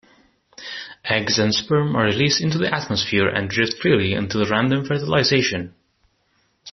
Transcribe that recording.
Eggs and sperm are released into the atmosphere and drift freely until random fertilization.